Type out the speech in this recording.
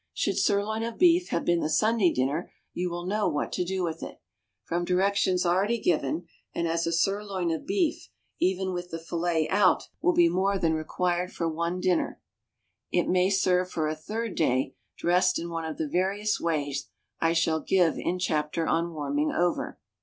Should sirloin of beef have been the Sunday dinner, you will know what to do with it, from directions already given; and as a sirloin of beef, even with the fillet out, will be more than required for one dinner, it may serve for a third day, dressed in one of the various ways I shall give in chapter on "Warming Over."